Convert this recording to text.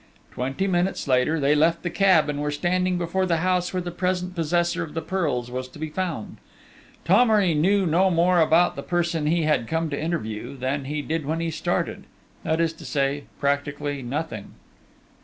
Twenty minutes later they left the cab and were standing before the house where the present possessor of the pearls was to be found. Thomery knew no more now about the person he had come to interview, than he did when he started: that is to say, practically nothing.